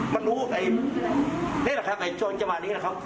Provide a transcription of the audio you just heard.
มันรู้ว่านี่แหละครับไอ้โจรจะมานี่นะครับ